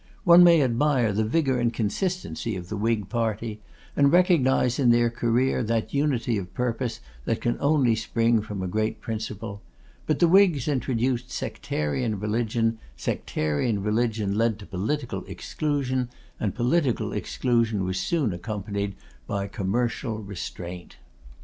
One may admire the vigour and consistency of the Whig party, and recognise in their career that unity of purpose that can only spring from a great principle; but the Whigs introduced sectarian religion, sectarian religion led to political exclusion, and political exclusion was soon accompanied by commercial restraint.